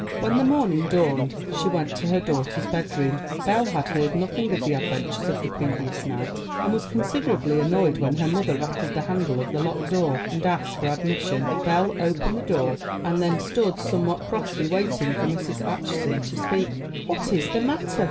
When the morning dawned she went to her daughter's bedroom. Belle had heard nothing of the adventures of the previous night, and was considerably annoyed when her mother rattled the handle of the locked door, and asked for admission. Belle opened the door, and then stood somewhat crossly waiting for Mrs. Acheson to speak. "What is the matter?"